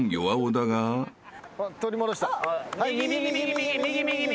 右右右右右。